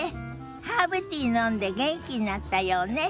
ハーブティー飲んで元気になったようね。